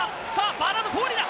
バーナード・フォーリーだ！